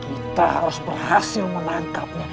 kita harus berhasil menangkapnya